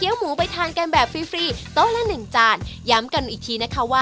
วันนี้ขอบคุณเจ๊มากเลยครับ